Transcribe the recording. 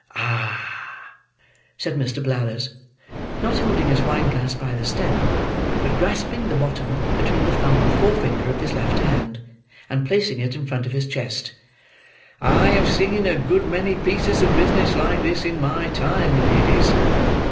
"Ah!" said Mr. Blathers: not holding his wine glass by the stem, but grasping the bottom between the thumb and forefinger of his left hand: and placing it in front of his chest; "I have seen a good many pieces of business like this, in my time, ladies."